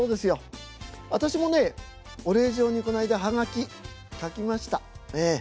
私もねお礼状にこの間葉書書きましたええ。